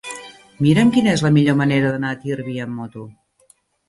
Mira'm quina és la millor manera d'anar a Tírvia amb moto.